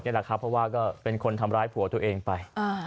เพราะว่าก็เป็นคนทำร้ายขัวตัวเองไป